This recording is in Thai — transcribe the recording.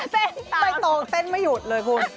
ไปโตเต้นไม่หยุดเลยคุณ